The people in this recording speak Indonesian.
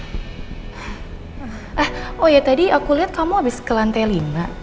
ah oh iya tadi aku liat kamu abis ke lantai lima